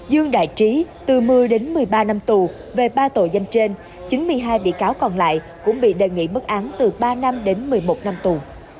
dương đại trí từ một mươi đến một mươi ba năm tù về ba tội danh trên chín mươi hai bị cáo còn lại cũng bị đề nghị bức án từ ba năm đến một mươi một năm tù